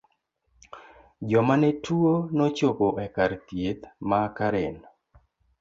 Joma ne tuo nochopo e kar thieth ma karen.